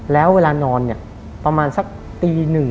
แล้วเวลานอนเนี่ยประมาณสักตีหนึ่ง